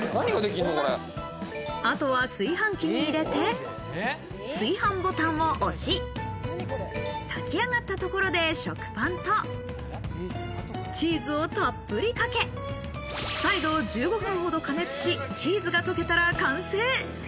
あとは炊飯器に入れて、炊飯ボタンを押し、炊き上がったところで、食パンとチーズをたっぷりかけ、再度１５分ほど加熱し、チーズが溶けたら完成。